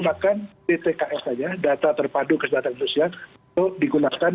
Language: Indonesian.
kesehatan sosial itu digunakan